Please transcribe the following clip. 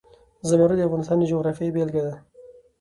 زمرد د افغانستان د جغرافیې بېلګه ده.